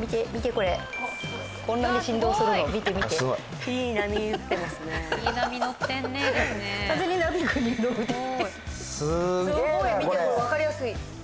見てこれわかりやすい。